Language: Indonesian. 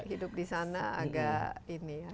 hidup di sana agak ini